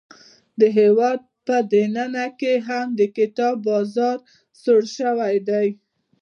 د هیواد په دننه کې هم د کتاب بازار سوړ شوی.